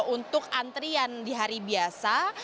untuk antrian di hari biasa